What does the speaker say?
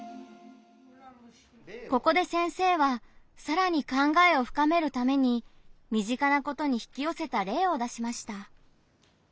ここで先生はさらに考えを深めるために身近なことに引きよせた例を出しました。